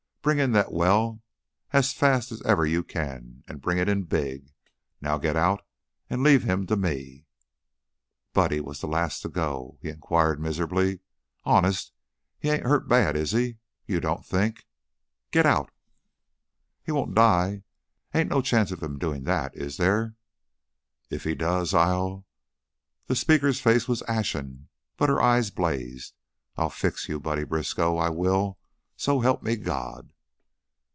Bring in that well, as fast as ever you can, and bring it in big. Now, get out and leave him to me." Buddy was the last to go. He inquired, miserably: "Honest, he ain't hurt bad, is he? You don't think " "Get out!" "He won't die? Ain't no chance of him doin' that, is there?" "If he does, I'll " The speaker's face was ashen, but her eyes blazed. "I'll fix you, Buddy Briskow. I will, so help me God!"